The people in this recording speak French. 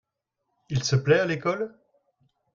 Il se plait à l'école ?